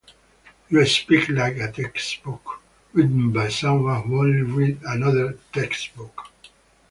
You speak like a textbook written by someone who only read another textbook.